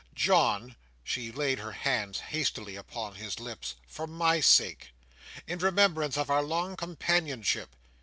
"John!" she laid her hand hastily upon his lips, "for my sake! In remembrance of our long companionship!"